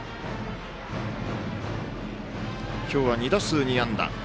今日は２打数、２安打。